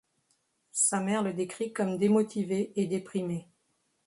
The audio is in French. Sa mère le décrit comme démotivé et déprimé.